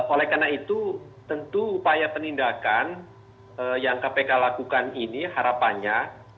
oleh karena itu tentu upaya penindakan yang kpk lakukan ini harapannya